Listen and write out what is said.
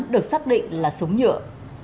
được xác định là súng nhựa